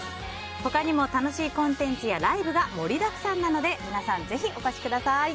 他にも、楽しいコンテンツやライブが盛りだくさんなので皆さん、ぜひお越しください。